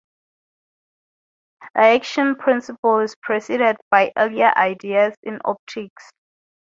The action principle is preceded by earlier ideas in optics.